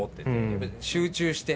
やっぱり集中して。